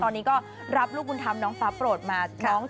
ตอนนี้ก็รับลูกบุญธรรมน้องฟ้าโปรดมา